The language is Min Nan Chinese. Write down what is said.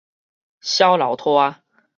痟流拖